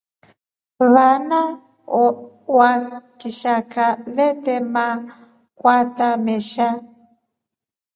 Vana wa kshaka vete makwata meshe.